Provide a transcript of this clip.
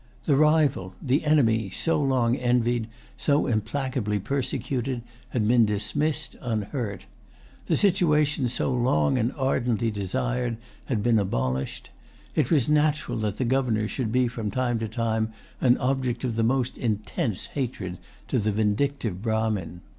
The rival, the enemy, so long envied, so implacably persecuted, had been dismissed unhurt. The situation so long and ardently desired had been abolished. It was natural that the Governor should be from that time an object of the most intense hatred to the vindictive Brahmin.